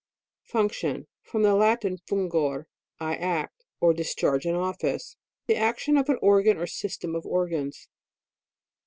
FUNCTION. From the Latin, fungor^ I act, or discharge an office. The action of an organ or system of organs.